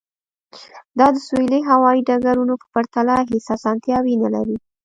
دا د سویلي هوایی ډګرونو په پرتله هیڅ اسانتیاوې نلري